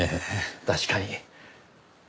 確かに。